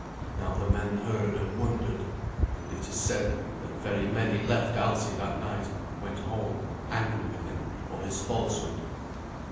Now the men heard and wondered; and it is said that very many left Alsi that night and went home, angry with him for his falsehood.